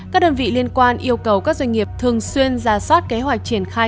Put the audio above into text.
các đơn vị liên quan yêu cầu các doanh nghiệp thường xuyên ra soát kế hoạch triển khai